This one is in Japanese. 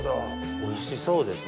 おいしそうですね。